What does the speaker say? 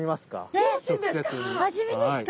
えっ味見ですか？